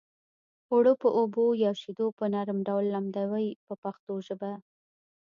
اوړه په اوبو یا شیدو په نرم ډول لمدوي په پښتو کې.